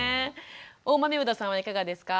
大豆生田さんはいかがですか？